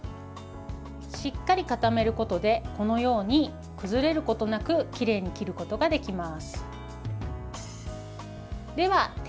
しっかり固めることでこのように崩れることなくきれいに切ることができます。